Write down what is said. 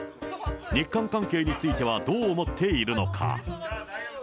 日韓関係については、どう思っているのか。